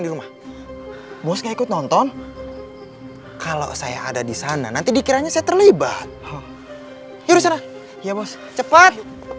di rumah bosnya ikut nonton kalau saya ada di sana nanti dikiranya saya terlibat yuk cepat